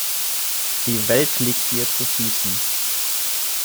Die Welt liegt dir zu Füßen.